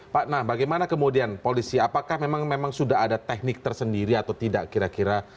pak nah bagaimana kemudian polisi apakah memang sudah ada teknik tersendiri atau tidak kira kira